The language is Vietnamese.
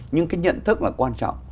nhưng cái nhận thức là quan trọng